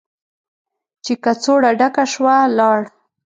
چې کڅوړه ډکه شوه، لاړ.